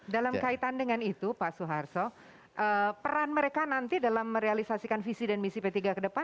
dalam kaitan dengan itu pak soeharto peran mereka nanti dalam merealisasikan visi dan misi p tiga ke depan